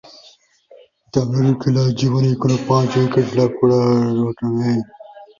তার খেলোয়াড়ী জীবনে কোন পাঁচ-উইকেট লাভের ঘটনা নেই।